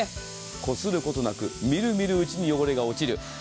こすることなくみるみるうちに汚れが落ちる。